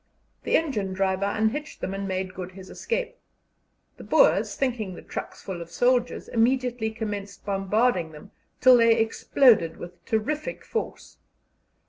The engine driver unhitched them and made good his escape. The Boers, thinking the trucks full of soldiers, immediately commenced bombarding them, till they exploded with terrific force.